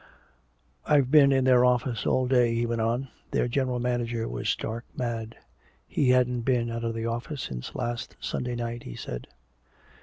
"I've been in their office all day," he went on. "Their general manager was stark mad. He hadn't been out of the office since last Sunday night, he said.